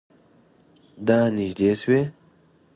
دا نژدې شوی؟